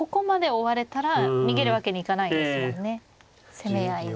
攻め合いに。